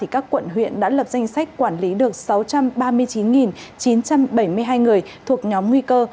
các quận huyện đã lập danh sách quản lý được sáu trăm ba mươi chín chín trăm bảy mươi hai người thuộc nhóm nguy cơ